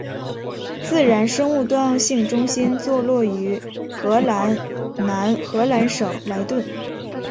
自然生物多样性中心座落于荷兰南荷兰省莱顿。